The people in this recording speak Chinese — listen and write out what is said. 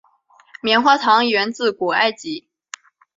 棉花糖源自古埃及。